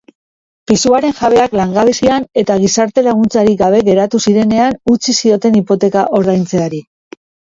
Pisuaren jabeak langabezian eta gizarte laguntzarik gabe geratu zirenean utzi zioten hipoteka ordaintzeari.